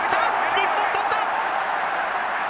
日本捕った！